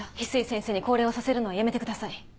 翡翠先生に降霊をさせるのはやめてください。